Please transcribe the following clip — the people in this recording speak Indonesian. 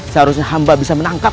seharusnya hamba bisa menangkap